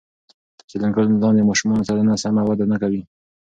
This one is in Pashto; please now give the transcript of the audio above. تر څلور کلنۍ لاندې د ماشومانو سلنه سمه وده نه کوي.